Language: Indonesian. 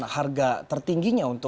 harga tertingginya untuk